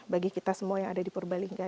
bagi kita semua yang ada di purbalingga